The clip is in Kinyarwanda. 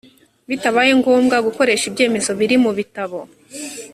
bitabaye ngombwa gukoresha ibyemezo biri mu bitabo